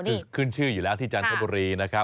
คือขึ้นชื่ออยู่แล้วที่จันทบุรีนะครับ